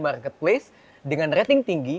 marketplace dengan rating tinggi